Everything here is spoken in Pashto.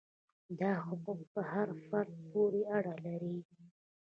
دا حقوق پر هر فرد پورې اړه لري.